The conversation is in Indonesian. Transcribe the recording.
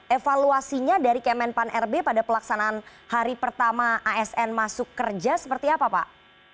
evaluasinya dari kemenpan rb pada pelaksanaan hari pertama asn masuk kerja seperti apa pak